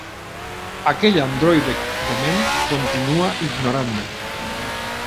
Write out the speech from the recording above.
Aquell androide dement continua ignorant-me.